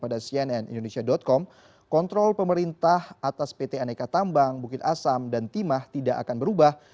pada cnn indonesia com kontrol pemerintah atas pt aneka tambang bukit asam dan timah tidak akan berubah